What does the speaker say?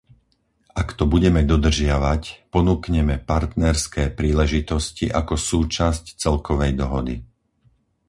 Ak to budeme dodržiavať, ponúkneme partnerské príležitosti ako súčasť celkovej dohody.